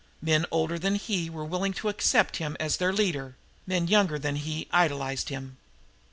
Men older than he were willing to accept him as their leader; men younger than he idolized him.